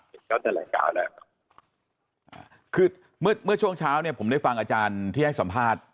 ก็จะแสดงข่าวแล้วคือเมื่อช่วงเช้าเนี่ยผมได้ฟังอาจารย์ที่ให้สัมภาษณ์